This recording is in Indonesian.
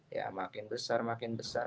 ya makin besar makin besar